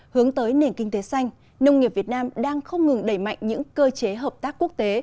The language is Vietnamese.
hướng tới nền kinh tế xanh nông nghiệp việt nam đang không ngừng đẩy mạnh những cơ chế hợp tác quốc tế